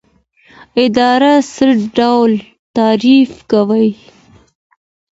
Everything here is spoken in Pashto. اداره څه ډول تعریف کوئ؟